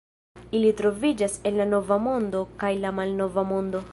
Ili troviĝas en la Nova Mondo kaj la Malnova Mondo.